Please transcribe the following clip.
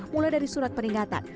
mulai dari surat peningatan